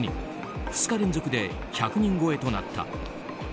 ２日連続で１００人超えとなった。